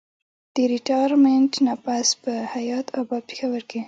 د ريټائرمنټ نه پس پۀ حيات اباد پېښور کښې